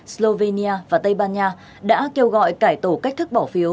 slovenia và tây ban nha đã kêu gọi cải tổ cách thức bỏ phiếu